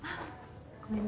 ごめんね。